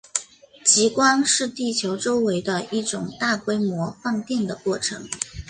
极光是地球周围的一种大规模放电的过程。